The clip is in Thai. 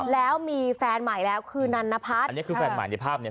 แล้วมีแฟนใหม่แล้วคือนันนพัฒน์อันนี้คือแฟนใหม่ในภาพเนี่ย